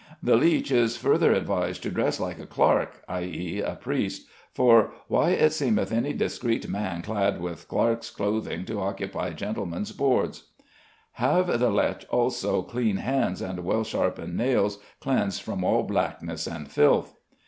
The leech is further advised to dress like a clerk (i.e., a priest), "for why it seemeth any discrete man clad with clerk's clothing to occupy gentlemen's boards." "Have the leche also clean hands and well shapen nails, cleansed from all blackness and filth."